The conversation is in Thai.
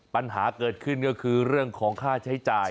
ปัญหาเกิดขึ้นก็คือเรื่องของค่าใช้จ่าย